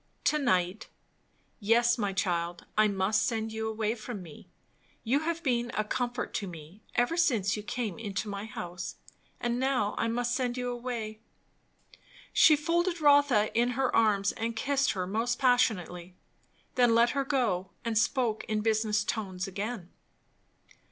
"To night. Yes, my child, I must send you away from me. You have been a comfort to me ever since you came into my house; and now I must send you away." She folded Rotha in her arms and kissed her almost passionately. Then let her go, and spoke in business tones again.